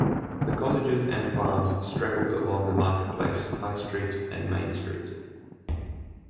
The cottages and farms straggled along the Market Place, High Street and Main Street.